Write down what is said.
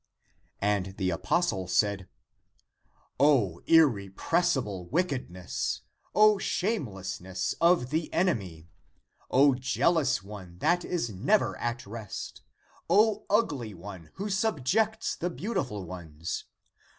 And the apostle said, " O irrepressible wickedness ! O shamelessness of the enemy ! O jealous one that is never at rest! O ugly one who subjects the beautiful ones!